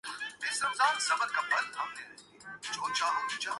اس نے ارسطو جیسے استاد کی صحبت پائی